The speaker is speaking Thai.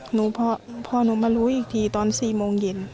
พอหนูมารู้อีกทีตอน๔โมงเย็น